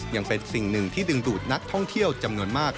ยังเป็นสิ่งหนึ่งที่ดึงดูดนักท่องเที่ยวจำนวนมาก